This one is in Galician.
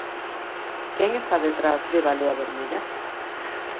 Quen está detrás de Balea Vermella?